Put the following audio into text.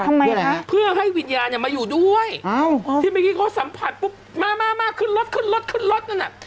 ทำไมล่ะคะเพื่อให้วิญญาณเนี่ยมาอยู่ด้วยที่เมื่อกี้เขาสัมผัสปุ๊บมามาขึ้นรถขึ้นรถขึ้นรถนั่นน่ะ